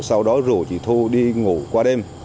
sau đó rủ chị thu đi ngủ qua đêm